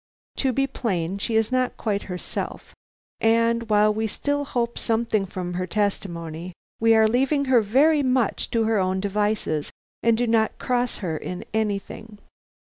To be plain, she is not quite herself, and while we still hope something from her testimony, we are leaving her very much to her own devices, and do not cross her in anything.